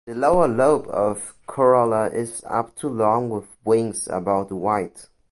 The lower lobe of the corolla is up to long with wings about wide.